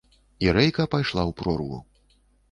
І рэйка пайшла ў прорву.